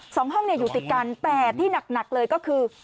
สองห้องอยู่ติดกันแต่ที่หนักเลยก็คือ